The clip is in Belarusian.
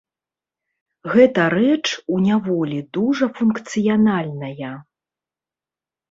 Гэта рэч у няволі дужа функцыянальная.